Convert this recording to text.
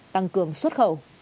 tăng cường xuất khẩu